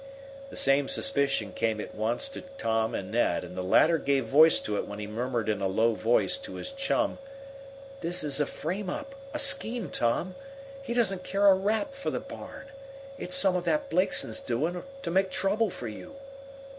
The same suspicion came at once to Tom and Ned, and the latter gave voice to it when he murmured in a low voice to his chum: "This is a frame up a scheme, Tom. He doesn't care a rap for the barn. It's some of that Blakeson's doing, to make trouble for you."